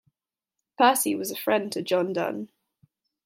Percy was a friend to John Donne.